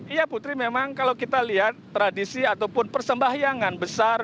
iya putri memang kalau kita lihat tradisi ataupun persembahyangan besar